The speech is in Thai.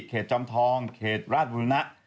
จอมทองเขตราชบุรณะ